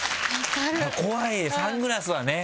怖いサングラスはね。